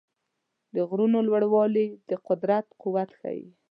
د غرونو لوړوالي د قدرت قوت ښيي.